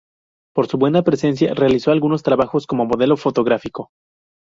Por su buena presencia, realizó algunos trabajos como modelo fotográfico.